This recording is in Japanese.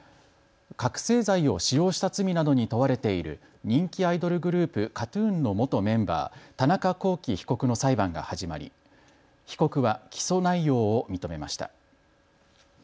覚醒剤を使用した罪などに問われている人気アイドルグループ、ＫＡＴ−ＴＵＮの元メンバー、田中聖被告の裁判が始まり被告は起訴内容を認めました。